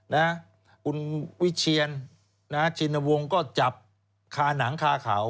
นะคุณวิเชียนนะชินวงศ์ก็จับคาหนังคาเขา